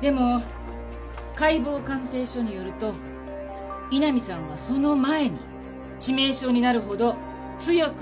でも解剖鑑定書によると井波さんはその前に致命傷になるほど強く頭を殴られている。